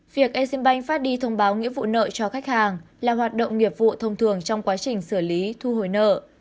việc exim bank phát đi thông báo nghĩa vụ nợ cho khách hàng là hoạt động nghiệp vụ thông thường trong quá trình xử lý thu hồi nợ